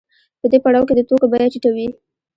په دې پړاو کې د توکو بیه ټیټه وي